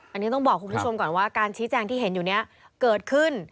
อันนี้ต้องบอกคุณผู้ชมก่อนว่าการชี้แจงที่เห็นอยู่นี้เกิดขึ้น